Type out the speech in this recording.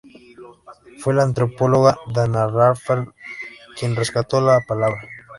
Fue la antropóloga Dana Raphael quien rescató la palabra.